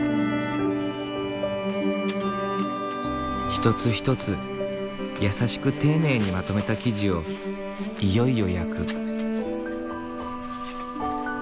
一つ一つ優しく丁寧にまとめた生地をいよいよ焼く。